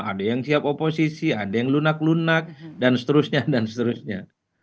ada yang siap oposisi ada yang lunak lunak dan seterusnya dan seterusnya